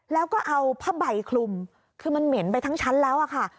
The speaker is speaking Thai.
แล้วก็เอาผ้าใบคลุมคือมันเหม็นไปทั้งชั้นแล้วอะค่ะ